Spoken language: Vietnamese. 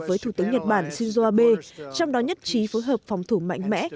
với thủ tướng nhật bản shinzo abe trong đó nhất trí phối hợp phòng thủ mạnh mẽ